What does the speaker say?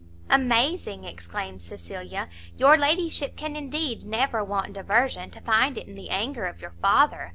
"Amazing!" exclaimed Cecilia, "your ladyship can, indeed, never want diversion, to find it in the anger of your father.